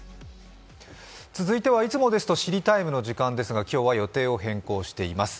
続いてはいつもですと「知りＴＩＭＥ，」の時間ですが今日は予定を変更しています。